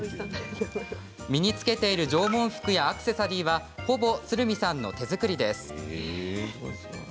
身に着けている縄文服やアクセサリーはほぼ鶴見さんの手作りです。